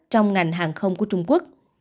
trong ngành hàng không của trung quốc